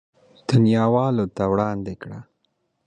دنياوالو ته وړاندې کړه.